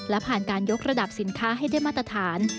และผ่านการยกระดับสินค้าให้ได้มาตรฐาน